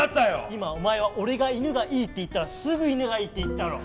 今お前は俺が犬がいいって言ったらすぐ犬がいいって言ったろ。